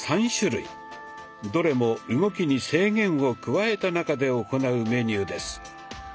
どれも動きに制限を加えた中で行うメニューです。